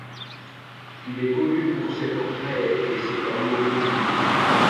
Il est connu pour ses portraits et ses tableaux religieux.